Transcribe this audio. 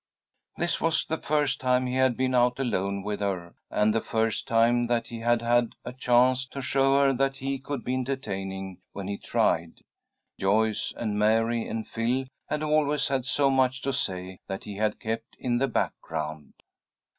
This was the first time he had been out alone with her, and the first time that he had had a chance to show her that he could be entertaining when he tried. Joyce and Mary and Phil had always had so much to say that he had kept in the background.